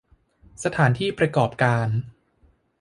สถานที่ประกอบการ